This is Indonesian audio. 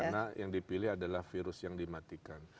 karena yang dipilih adalah virus yang dimatikan